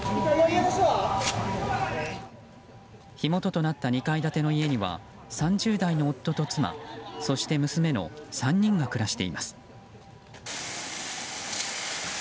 火元となった２階建ての家には３０代の夫と妻そして娘の３人が暮らしています。